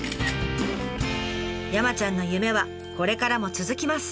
山ちゃんの夢はこれからも続きます。